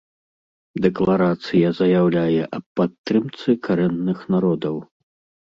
Дэкларацыя заяўляе аб падтрымцы карэнных народаў.